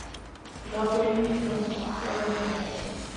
نہ کوئی مصرف ہے۔